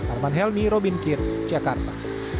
arman helmi robin kit jakarta